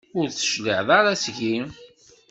Ur d-cliɛen ara seg-i?